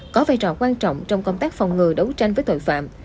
có vai trò quan trọng trong công tác phòng ngừa đấu tranh với tội phạm